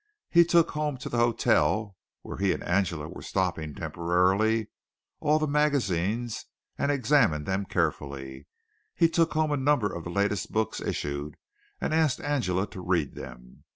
He took home to the hotel where he and Angela were stopping temporarily all the magazines, and examined them carefully. He took home a number of the latest books issued, and asked Angela to read them.